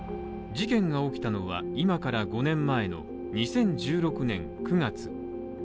事件が起きたのは今から５年前の２０１６年９月。